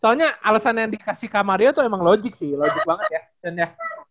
soalnya alasan yang dikasih kang mario tuh emang logik sih logik banget ya chen ya